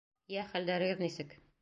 Йә, хәлдәрегеҙ нисек?